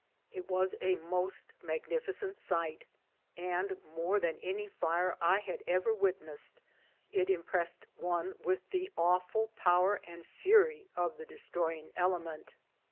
It was a most magnificent sight, and, more than any fire I had ever witnessed, it impressed one with the awful power and fury of the destroying element.